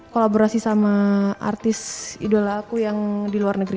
kolaborasi sama artis idola aku yang di luar negeri